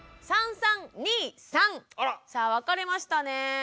さあ分かれましたね。